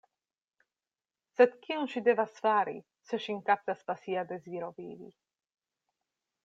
Sed kion ŝi devas fari, se ŝin kaptas pasia deziro vivi?